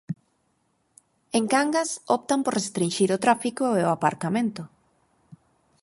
En Cangas optan por restrinxir o tráfico e o aparcamento.